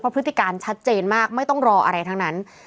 พฤติการชัดเจนมากไม่ต้องรออะไรทั้งนั้น